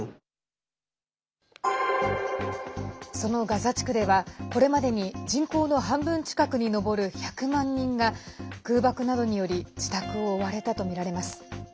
そのガザ地区ではこれまでに人口の半分近くに上る１００万人が空爆などにより自宅を追われたとみられます。